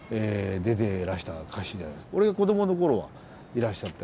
俺が子供のころはいらっしゃった。